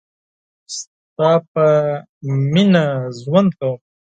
ستا په میینه ژوند کوم